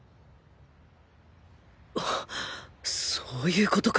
あっそういうことか